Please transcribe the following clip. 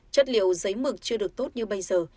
chất liệu giấy mực chưa được tốt như bây giờ